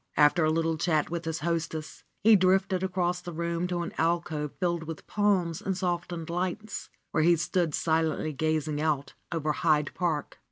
After a little chat with his hostess, he drifted across the room to an alcove filled with palms and softened lights, where he stood silently gazing out over Hyde Park.